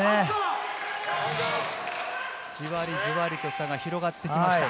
じわりじわりと差が広がってきました。